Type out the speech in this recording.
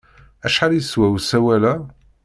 Acḥal yeswa usawal-a?